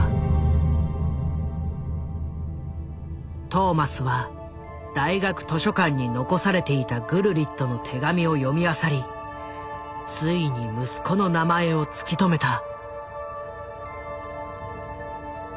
トーマスは大学図書館に残されていたグルリットの手紙を読みあさりついに息子の名前を突き止めた。